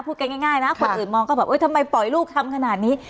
พูดง่ายง่ายน่ะค่ะคนอื่นมองก็แบบเฮ้ยทำไมปล่อยลูกทำขนาดนี้